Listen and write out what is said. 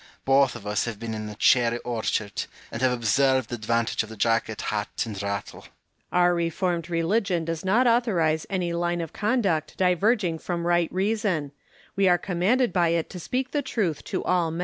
Both of us have been in a cherry orcliard, and have observed the advantage of the jacket, hat, and rattle. Home. Our reformed religion does not authorise any line of conduct diverging from right reason : we are commanded by u to speak the trutli to all men.